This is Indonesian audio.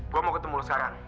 gue mau ketemu sekarang